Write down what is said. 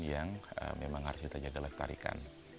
yang memang harus kita jaga lestarikan